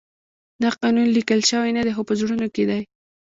دا قانون لیکل شوی نه دی خو په زړونو کې دی.